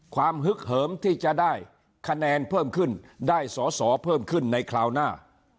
ฮึกเหิมที่จะได้คะแนนเพิ่มขึ้นได้สอสอเพิ่มขึ้นในคราวหน้า